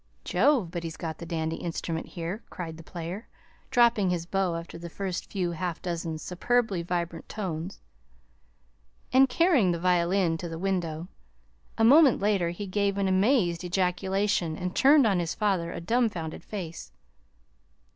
"Jove! but he's got the dandy instrument here," cried the player, dropping his bow after the first half dozen superbly vibrant tones, and carrying the violin to the window. A moment later he gave an amazed ejaculation and turned on his father a dumfounded face.